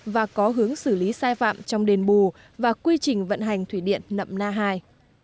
và có hướng xử lý sai phạm trong đền bù và quy trình vận hành thủy điện nậm na hai